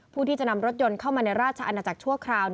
ผู้ที่จะนำรถยนต์เข้ามาในราชอาณาจักรชั่วคราว